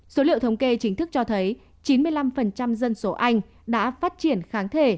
số liệu thống kê chính thức cho thấy chín mươi năm dân số anh đã phát triển kháng thể